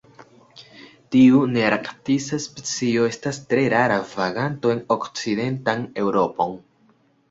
Tiu nearktisa specio estas tre rara vaganto en okcidentan Eŭropon.